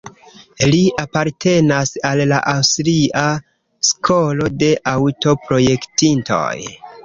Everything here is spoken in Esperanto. Li apartenas al la Aŭstria skolo de aŭto-projektintoj.